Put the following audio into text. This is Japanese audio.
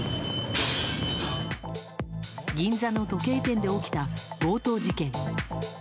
銀座の時計店で起きた強盗事件。